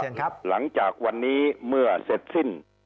หลังจากวันนี้เมื่อเสร็จสิ้น